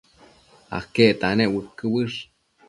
aquecta nec uëquë uësh?